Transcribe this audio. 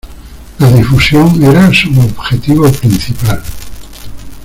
La difusión era su objetivo principal.